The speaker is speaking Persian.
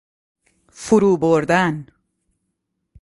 فرو بردن